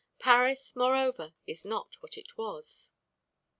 Paris, moreover, is not what it was.